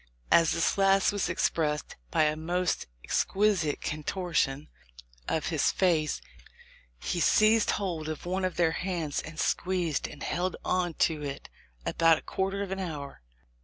"As this last was expressed by a most exquisite contortion of his face, he seized hold of one of their hands, and squeezed, and held on to it about a quar ter of an hour.